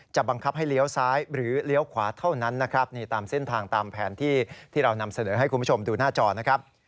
บังคับให้เลี้ยวซ้ายหรือเลี้ยวขวาเท่านั้นนะครับนี่ตามเส้นทางตามแผนที่ที่เรานำเสนอให้คุณผู้ชมดูหน้าจอนะครับ